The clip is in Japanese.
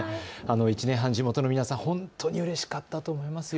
１年年半、地元の皆さん、ほんとにうれしかったと思いますよ。